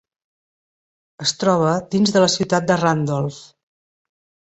Es troba dins de la ciutat de Randolph.